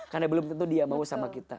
karena belum tentu dia mau sama kita